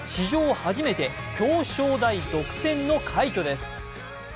初めて表彰台独占の快挙です。